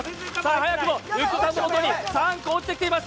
早くも浮所さんの元に３個落ちてきています。